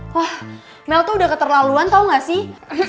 wah mel tuh udah keterlaluan tau gak sih